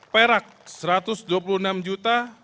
perak satu ratus dua puluh enam juta